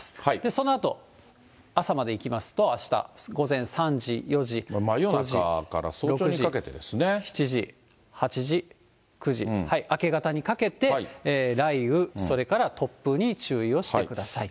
そのあと、朝までいきますとあした午前３時、４時、５時、６時、７時、８時、９時、明け方にかけて雷雨、それから突風に注意をしてください。